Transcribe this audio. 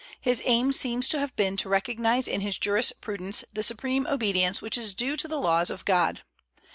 His aim seems to have been to recognize in his jurisprudence the supreme obedience which is due to the laws of God.